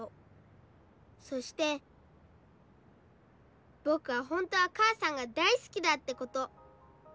そして僕は本当は母さんが大好きだってこと。